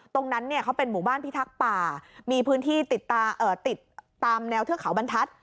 ตรงนั้นเนี่ยเขาเป็นหมู่บ้านพิทักษ์ป่ามีพื้นที่ติดตามแนวเทือกเขาบรรทัศน์